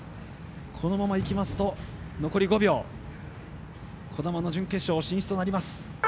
このままいきますと児玉の準決勝進出となります。